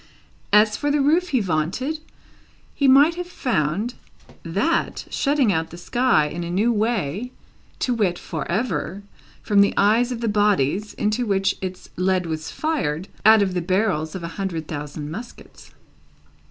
As for the roof he vaunted, he might have found that shutting out the sky in a new way to wit, for ever, from the eyes of the bodies into which its lead was fired, out of the barrels of a hundred thousand muskets.